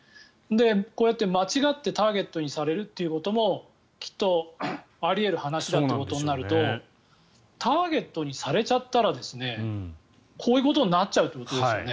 こうやって間違ってターゲットにされるということもきっと、あり得る話だろうということになるとターゲットにされちゃったらこういうことになっちゃうということですよね。